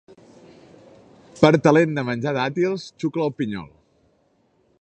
Per talent de menjar dàtils xucla el pinyol.